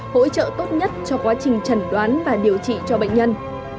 hỗ trợ tốt nhất cho quá trình chẩn đoán và điều trị cho bệnh nhân